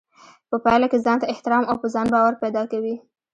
په پايله کې ځانته احترام او په ځان باور پيدا کوي.